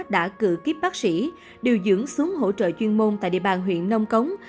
đã cử kiếp bác sĩ điều dưỡng xuống hỗ trợ chuyên môn tại địa bàn huyện nông cống